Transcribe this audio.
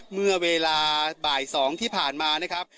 เมื่อเวลาบ่าย๒ที่ผ่านมานะครับ